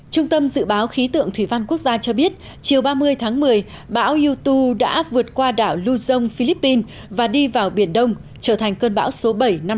trung tâm dự báo khí tượng thủy văn quốc gia cho biết chiều ba mươi tháng một mươi bão yutu đã vượt qua đảo lưu dông philippines và đi vào biển đông trở thành cơn bão số bảy năm hai nghìn hai mươi